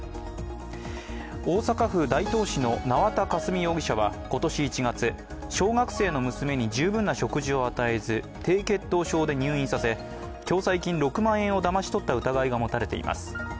大阪府大東市の縄田佳純容疑者は今年１月、小学生の娘に十分な食事を与えず低血糖症で入院させ、共済金６万円をだまし取った疑いが持たれています。